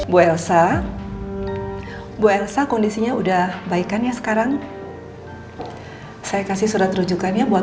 bu elsa bu elsa kondisinya udah baikannya sekarang saya kasih surat tunjukannya buat